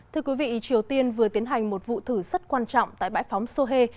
thưa quý vị triều tiên vừa tiến hành một vụ thử rất quan trọng tại bãi phóng sohe